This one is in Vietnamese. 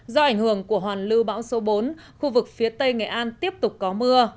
do ảnh hưởng của hoàn lưu bão số bốn khu vực phía tây nghệ an tiếp tục có mưa